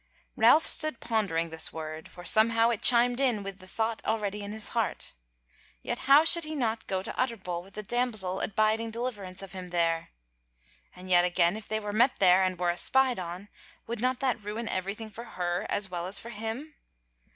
Ralph stood pondering this word, for somehow it chimed in with the thought already in his heart. Yet how should he not go to Utterbol with the Damsel abiding deliverance of him there: and yet again, if they met there and were espied on, would not that ruin everything for her as well as for him?